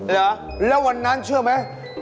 แล้ววันนั้นเชื่อไหม